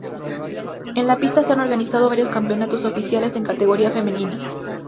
En la pista se han organizado varios campeonatos oficiales en categoría femenina.